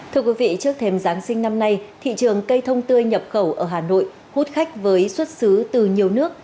thưa quý vị trước thêm giáng sinh năm nay thị trường cây thông tươi nhập khẩu ở hà nội hút khách với xuất xứ từ nhiều nước